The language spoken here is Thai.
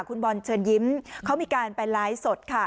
คุณบอลเชิญยิ้มเขามีการไปไลฟ์สดค่ะ